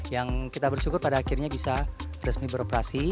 yang kita bersyukur pada akhirnya bisa resmi beroperasi